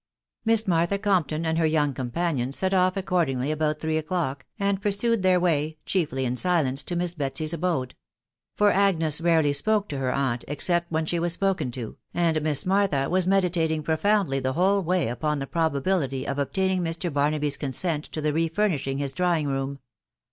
Miss Martha Compton and her young companion set off accordingly about three o'clock, and pursued their way, chiefly in silence, to Miss Betsy's abode ; for Agnes rarely spoke to her aunt, except when she was spoken to, and Miss Martha was meditating profoundly the whole way upon the probability of obtaining Mr. Barnaby's consent to the re furnishing his drawing room.